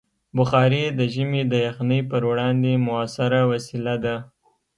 بخاري د ژمي د یخنۍ پر وړاندې مؤثره وسیله ده.